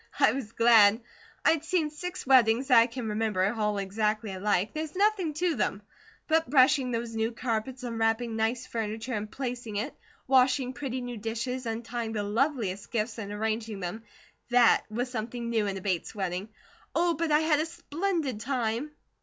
I was glad. I'd seen six weddings that I can remember, all exactly alike there's nothing to them; but brushing those new carpets, unwrapping nice furniture and placing it, washing pretty new dishes, untying the loveliest gifts and arranging them THAT was something new in a Bates wedding. Oh, but I had a splendid time!"